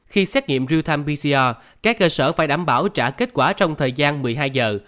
khi xét nghiệm real time pcr các cơ sở phải đảm bảo trả kết quả trong thời gian một mươi hai giờ